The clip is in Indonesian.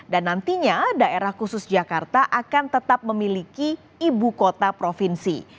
karena daerah khusus jakarta akan tetap memiliki ibu kota provinsi